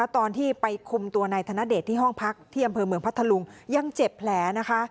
ตอนที่ไปคุมตัวนายธนเดชที่ห้องพักที่อำเภอเมืองพัทธลุงยังเจ็บแผลนะคะ